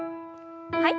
はい。